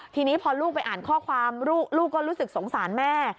ทีนี้พอลูกไปอ่านข้อความลูกก็รู้สึกสงสารแม่